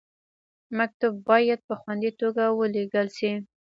مکتوب باید په خوندي توګه ولیږل شي.